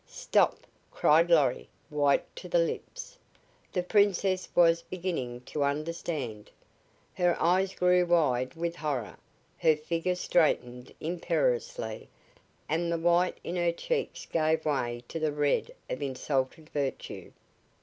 "Stop!" cried Lorry, white to the lips. The Princess was beginning to understand. Her eyes grew wide with horror, her figure straightened imperiously and the white in her cheeks gave way to the red of insulted virtue.